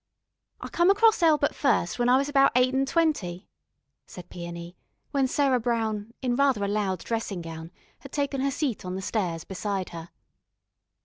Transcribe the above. "I come across Elbert first when I was about eight an' twenty," said Peony, when Sarah Brown, in rather a loud dressing gown, had taken her seat on the stairs beside her.